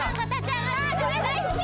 ・ああこれ大好き！